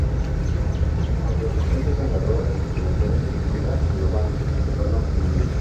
La producción se trasladó a las instalaciones de Honda Alabama de forma permanente.